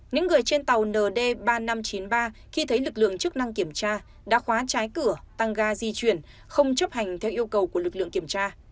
những người trên tàu nd ba nghìn năm trăm chín mươi ba khi thấy lực lượng chức năng kiểm tra đã khóa trái cửa tăng ga di chuyển không chấp hành theo yêu cầu của lực lượng kiểm tra